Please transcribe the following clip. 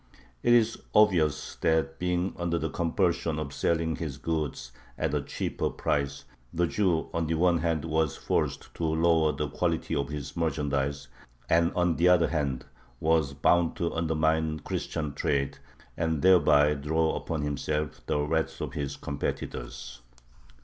It is obvious that, being under the compulsion of selling his goods at a cheaper price, the Jew on the one hand was forced to lower the quality of his merchandise, and on the other hand was bound to undermine Christian trade, and thereby draw upon himself the wrath of his competitors.